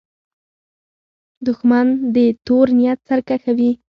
دښمن د تور نیت سرکښه وي